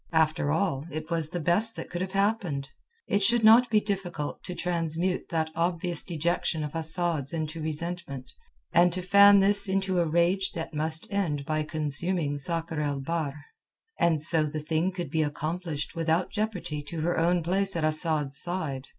After all, it was the best that could have happened. It should not be difficult to transmute that obvious dejection of Asad's into resentment, and to fan this into a rage that must end by consuming Sakr el Bahr. And so the thing could be accomplished without jeopardy to her own place at Asad's side.